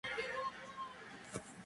Actualmente continúan separados.